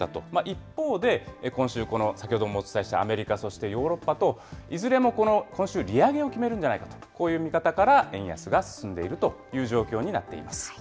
一方で今週、この先ほどもお伝えしたアメリカ、そしてヨーロッパと、いずれも今週利上げを決めるんじゃないかと、こういう見方から円安が進んでいるという状況になっています。